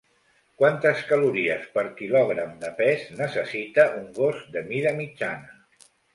Quantes calories per quilogram de pes necessita un gos de mida mitjana?